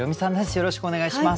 よろしくお願いします。